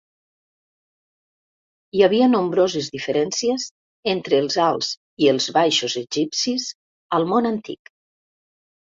Hi havia nombroses diferències entre els alts i els baixos egipcis al món antic.